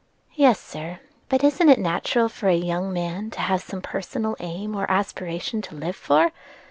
"Yes, sir; but isn't it natural for a young man to have some personal aim or aspiration to live for?